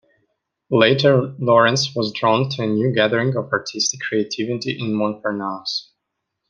Later Laurens was drawn to a new gathering of artistic creativity in Montparnasse.